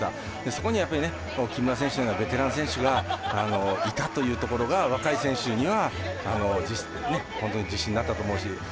そこには木村選手のようなベテラン選手がいたところが若い選手には本当に自信になったと思うし。